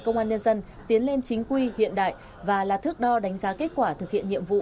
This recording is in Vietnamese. công an nhân dân tiến lên chính quy hiện đại và là thước đo đánh giá kết quả thực hiện nhiệm vụ